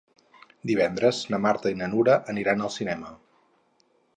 Divendres na Marta i na Nura aniran al cinema.